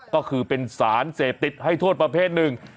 ก็คือเป็นสารเสพติดให้โทษประเภทหนึ่ง